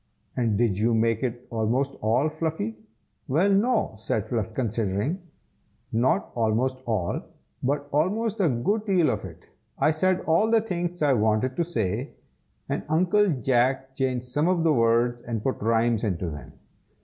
"And did you make it almost all, Fluffy?" "Well no!" said Fluff, considering, "not almost all, but almost a good deal of it. I said all the things I wanted to say, and Uncle Jack changed some of the words, and put rhymes into them.